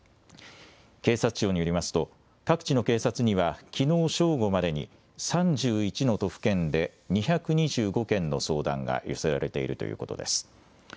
警察庁によりますと、各地の警察にはきのう正午までに、３１の都府県で２２５件の相談が寄せられているということです。